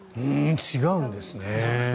違うんですね。